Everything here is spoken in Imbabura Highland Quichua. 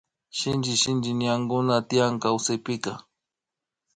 Shinchi sinchi ñankuna tiyan kawsaypika